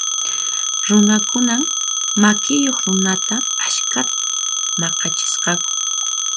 Runakunan makiyuq runata askhata maq'achisqaku.